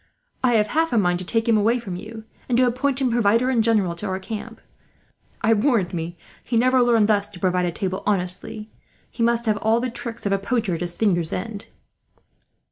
I have half a mind to take him away from you, and to appoint him Provider in General to our camp. I warrant me he never learned thus to provide a table, honestly; he must have all the tricks of a poacher at his fingers' end."